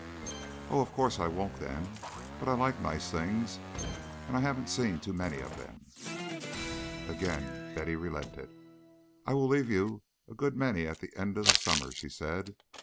"Oh, of course I won't, then; but I like nice things, and I haven't seen too many of them." Again Betty relented. "I will leave you a good many at the end of the summer," she said.